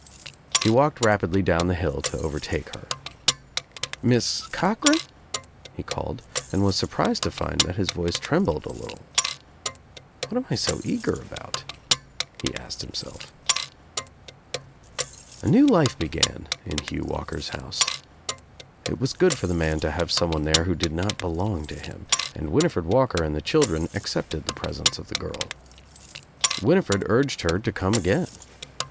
He walked rapidly down the hill to over take her. "Miss Cochran," he called, and was sur prised to find that his voice trembled a little. "What am I so eager about?" he asked himself. THE DOOR OF THE TRAP ^B A new life began in Hugh Walker's house. It was good for the man to have some one there who did not belong to him, and Winifred Walker and the children accepted the presence of the girl. Winifred urged her to come again.